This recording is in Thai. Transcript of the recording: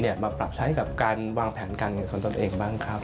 มาปรับใช้กับการวางแผนการเงินของตนเองบ้างครับ